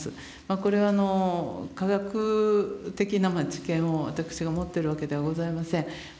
これは科学的な知見を私が持っているわけではございません。